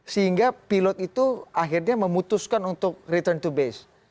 sehingga pilot itu akhirnya memutuskan untuk return to base